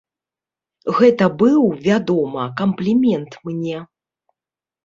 Гэта быў, вядома, камплімент мне.